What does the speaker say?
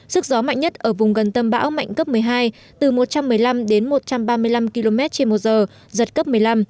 sức gió mạnh nhất ở vùng gần tâm bão mạnh cấp một mươi hai từ một trăm một mươi năm đến một trăm ba mươi năm km trên một giờ giật cấp một mươi năm